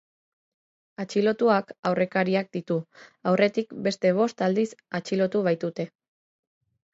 Atxilotuak aurrekariak ditu, aurretik beste bost aldiz atxilotu baitute.